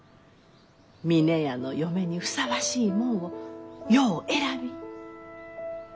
峰屋の嫁にふさわしいもんをよう選び。